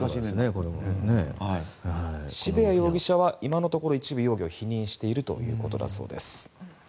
渋谷容疑者は、今のところ一部容疑を否認しているということだそうです。